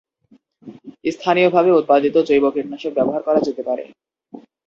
স্থানীয়ভাবে উৎপাদিত জৈব কীটনাশক ব্যবহার করা যেতে পারে।